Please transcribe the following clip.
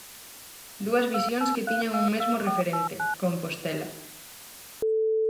Dúas visións que tiñan un mesmo referente: Compostela.